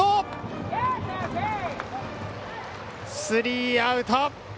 スリーアウト。